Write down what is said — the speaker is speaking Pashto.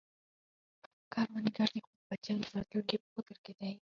کروندګر د خپلو بچیانو راتلونکې په فکر کې دی